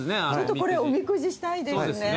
これおみくじしたいですね。